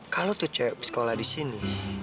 kalo tuh c sekolah disini